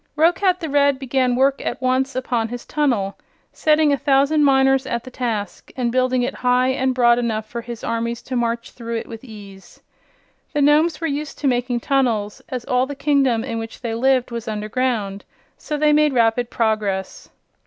Roquat the Red began work at once upon his tunnel, setting a thousand miners at the task and building it high and broad enough for his armies to march through it with ease. The Nomes were used to making tunnels, as all the kingdom in which they lived was under ground; so they made rapid progress.